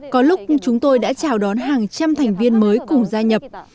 có lúc chúng tôi đã chào đón hàng trăm thành viên mới cùng gia nhập